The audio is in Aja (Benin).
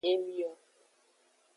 Emio.